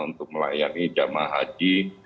untuk melayangi jamah haji